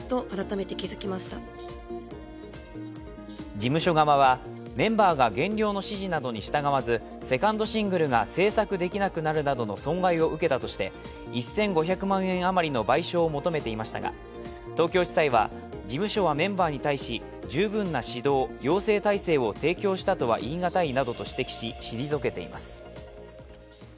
事務所側は、メンバーが減量の指示などに従わず、セカンドシングルが制作できなくなるなどの損害を受けたとして１５００万円あまりの賠償を求めていましたが東京地裁は、事務所はメンバーに対し十分な指導・養成態勢を提供したとは言い難いなどと指摘し退けています。